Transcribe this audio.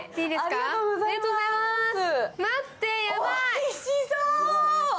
おいしそう！